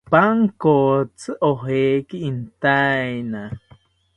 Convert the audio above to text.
Pankotzi ojeki intaena